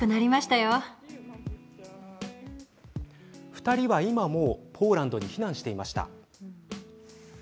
２人は今もポーランドに避難していました。